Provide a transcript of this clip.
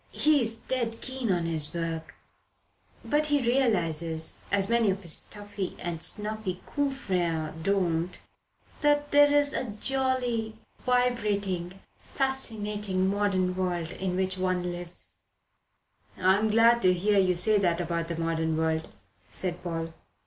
"He's dead keen on his work, but he realizes as many of his stuffy and snuffy confreres don't that there's a jolly, vibrating, fascinating, modern world in which one lives." "I'm glad to hear you say that about the modern world," said Paul.